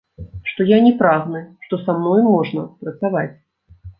Што я не прагны, што са мной можна працаваць.